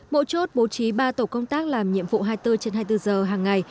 mỗi chốt bố trí ba tổ công tác làm nhiệm vụ hai mươi bốn trên hai mươi bốn giờ hàng ngày